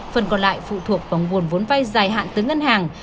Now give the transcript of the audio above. phần còn lại phụ thuộc vào nguồn vốn vai dài hạn tới ngân hàng